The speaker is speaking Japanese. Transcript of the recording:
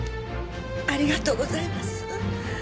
ありがとうございます。